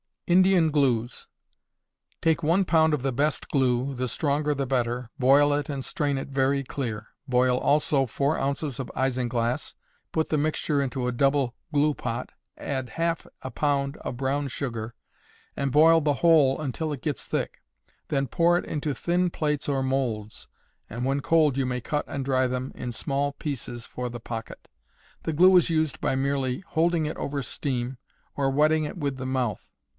Indian Glues. Take one pound of the best glue, the stronger the better, boil it and strain it very clear; boil also four ounces of isinglass; put the mixture into a double glue pot, add half a pound of brown sugar, and boil the whole until it gets thick; then pour it into thin plates or molds, and when cold you may cut and dry them in small pieces for the pocket. The glue is used by merely holding it over steam, or wetting it with the mouth.